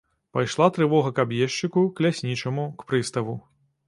Пайшла трывога к аб'ездчыку, к ляснічаму, к прыставу.